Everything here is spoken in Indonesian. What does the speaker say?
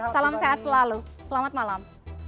salam sehat selalu selamat malam